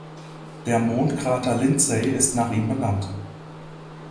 Der Mondkrater Lindsay ist nach ihm benannt.